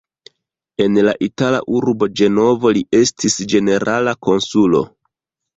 En la itala urbo Ĝenovo li estis ĝenerala konsulo.